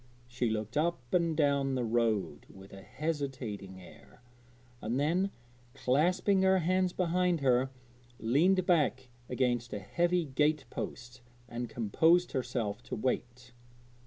She looked up and down the road with a hesitating air, and then, clasping her hands behind her, leaned back against a heavy gate post and composed herself to wait.